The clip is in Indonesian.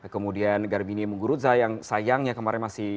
kemudian garbine muguruza yang sayangnya kemarin masih tidak menang